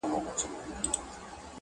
پر ها بل یې له اسمانه ټکه لوېږي.!